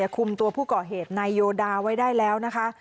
คุมตัวผู้ก่อเหตุนายโยดาไว้ได้แล้วนะคะ